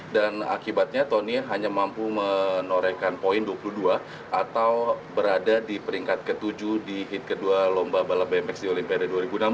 dan akibatnya tony hanya mampu menorehkan poin dua puluh dua atau berada di peringkat ke tujuh di hit kedua lomba balap bmx di olimpia dua ribu enam belas